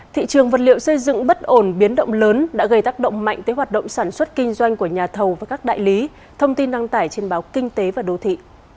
thị trường vật liệu xây dựng bất ổn biến động lớn đã gây tác động mạnh tới hoạt động sản xuất kinh doanh của nhà thầu và các đại lý thông tin đăng tải trên báo kinh tế và đô thị